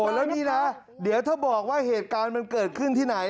แล้วนี่นะเดี๋ยวถ้าบอกว่าเหตุการณ์มันเกิดขึ้นที่ไหน